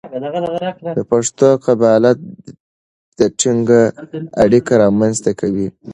د پښتو قبالت د ټینګه اړیکه رامنځته کوي.